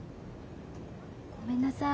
ごめんなさい。